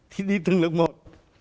thì đi từng lực một